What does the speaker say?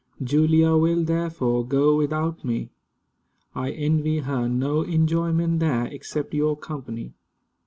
Julia will therefore go without me. I envy her no enjoyment there, except your company.